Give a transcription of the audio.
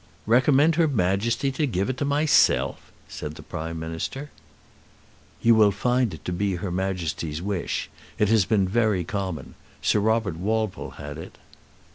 "Recommend her Majesty to give it to myself!" said the Prime Minister. "You will find it to be her Majesty's wish. It has been very common. Sir Robert Walpole had it."